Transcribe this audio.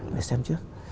để xem trước